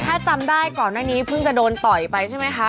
ถ้าจำได้ก่อนหน้านี้เพิ่งจะโดนต่อยไปใช่ไหมคะ